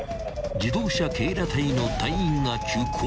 ［自動車警ら隊の隊員が急行］